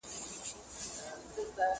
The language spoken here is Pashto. تر یوې ناکرارې چوپتیا روسته یې راته وویل: